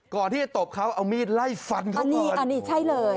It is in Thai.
ก่อนที่ตบเขาเอามีดไล่ฝันเข้าพอดีกว่านะครับโอ้โฮอันนี้ใช่เลย